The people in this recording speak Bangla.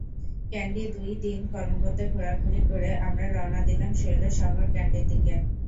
ক্যান্ডিদুই দিন কলম্বোতে ঘোরাঘুরি করে আমরা রওনা দিলাম শৈল শহর ক্যান্ডির দিকে।